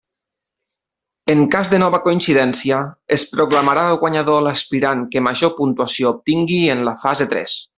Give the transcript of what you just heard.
En cas de nova coincidència, es proclamarà guanyador l'aspirant que major puntuació obtingui en la fase tres.